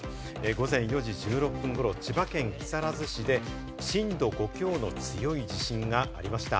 午前４時１６分頃、千葉県木更津市で震度５強の強い地震がありました。